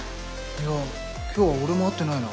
いや今日は俺も会ってないな。